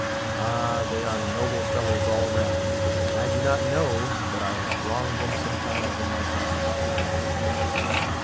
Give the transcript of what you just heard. Ah! they are noble fellows all round, and I do not know but I have wronged them sometimes in my thoughts.